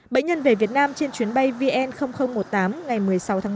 bệnh nhân về việt nam trên chuyến bay vn năm mươi bốn ngày chín tháng ba